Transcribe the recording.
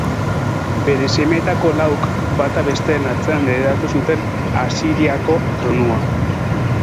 Bere semeetako lauk, bata bestearen atzean heredatu zuten Asiriako tronua.